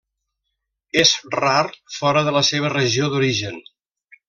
És rar fora de la seva regió d'origen.